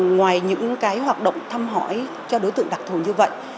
ngoài những hoạt động thăm hỏi cho đối tượng đặc thù như vậy